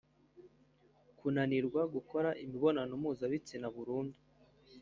kunanirwa gukora imibonano mpuzabitsina burundu